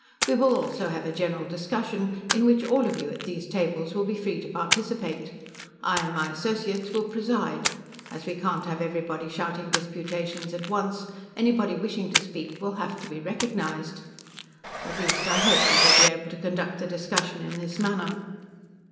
We will also have a general discussion, in which all of you at these tables will be free to participate. I and my associates will preside; as we can't have everybody shouting disputations at once, anyone wishing to speak will have to be recognized. At least, I hope we will be able to conduct the discussion in this manner.